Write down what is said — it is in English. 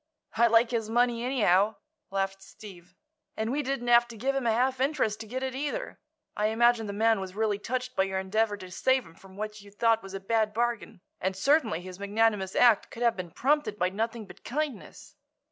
"I like his money, anyhow," laughed Steve; "and we didn't have to give him a half interest to get it, either. I imagine the man was really touched by your endeavor to save him from what you thought was a bad bargain, and certainly his magnanimous act could have been prompted by nothing but kindness."